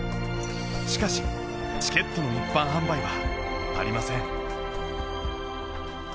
しかし、チケットの一般販売はありません。